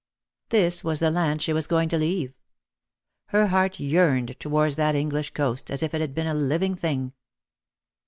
This was the land she was going to leave. Her heart yearned towards that English coast as if it had been a living thing.